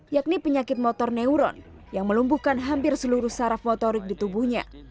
yakni penyakit motor neuron yang melumpuhkan hampir seluruh saraf motorik di tubuhnya